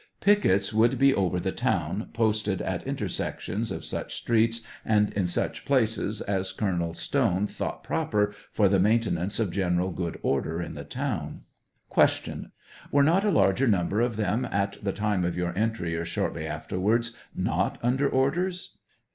Pickets would be over the town, posted at inter sections of such streets and in such places as Colonel Stone thought proper for the maintenance of general good order in the town. Q. Were not a large number of them, at the time of your entry or shortly afterwards, not under orders